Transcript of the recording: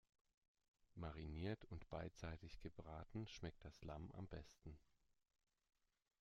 Mariniert und beidseitig gebraten schmeckt das Lamm am besten.